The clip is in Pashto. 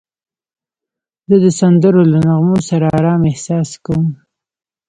زه د سندرو له نغمو سره آرام احساس کوم.